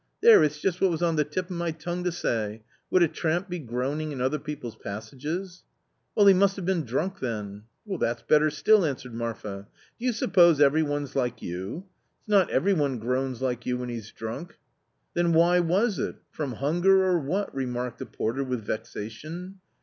There, it's just what was on the tip of my tongue to say ! Would a tramp be groaning in other people's passages ?"" Weil, he must have been drunk then." " That's better still !" answered Marfa ;" do you suppose every one's like vou? it's not every one groans like you when he's drunk ?"" Then why was it — from hunger or what ?" remarked the porter with vexation.